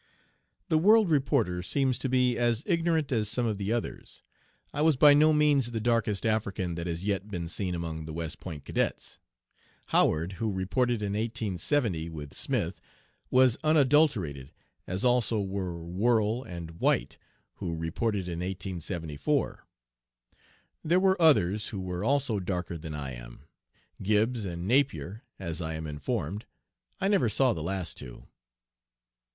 The World reporter seems to be as ignorant as some of the others. I was by no means the "darkest 'African' that has yet been seen among the West Point cadets." Howard, who reported in 1870 with Smith, was unadulterated, as also were Werle and White, who reported in 1874. There were others who were also darker than I am: Gibbs and Napier, as I am informed. I never saw the last two.